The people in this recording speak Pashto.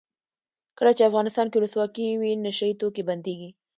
کله چې افغانستان کې ولسواکي وي نشه یي توکي بندیږي.